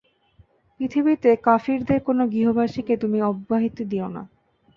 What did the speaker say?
পৃথিবীতে কাফিরদের কোন গৃহবাসীকে তুমি অব্যাহতি দিও না।